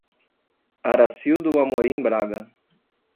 Aracildo Amorim Braga